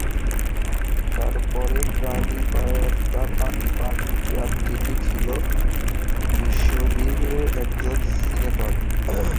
তারপরের পাণিপ্রার্থীটা ছিল মিশৌরীর একজন সিনেটর।